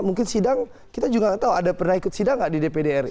mungkin sidang kita juga nggak tahu ada pernah ikut sidang nggak di dpd ri